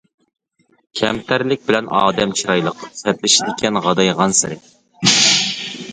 كەمتەرلىك بىلەن ئادەم چىرايلىق، سەتلىشىدىكەن غادايغانسېرى.